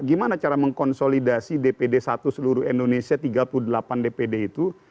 gimana cara mengkonsolidasi dpd satu seluruh indonesia tiga puluh delapan dpd itu